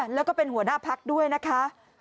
แล้วก็เป็นหัวหน้าพักด้วยนะคะ